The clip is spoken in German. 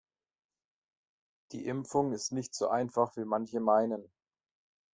Die Impfung ist nicht so einfach, wie manche meinen.